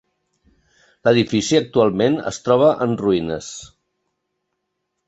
L'edifici actualment es troba en ruïnes.